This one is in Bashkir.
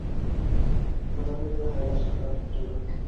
Шунан беҙгә һайлашырға тотондо: